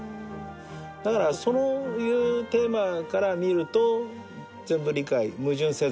だからそういうテーマから見ると全部矛盾せずに理解できる。